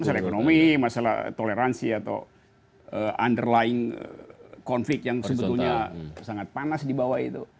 masalah ekonomi masalah toleransi atau underlying konflik yang sebetulnya sangat panas di bawah itu